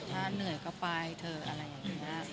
ถ้าเหนื่อยก็ไปเถอะอะไรอย่างนี้